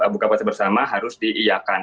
buka puasa bersama harus diiakan